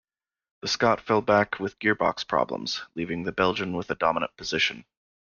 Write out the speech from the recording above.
The Scot fell back with gearbox problems, leaving the Belgian in a dominant position.